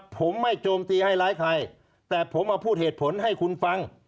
ผมไม่โจมตีให้ร้ายใครแต่ผมมาพูดเหตุผลให้คุณฟัง